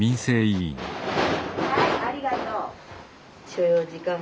はいありがとう。